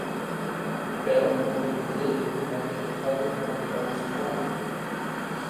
The bell for the new building had been recovered from the old tollbooth.